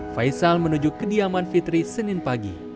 faisal menuju kediaman fitri senin pagi